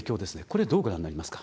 これ、どうご覧になりますか。